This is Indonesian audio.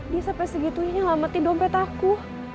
dia sampai segitunya nyelamatin dompet aku